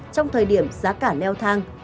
trong thời điểm giá cả leo thang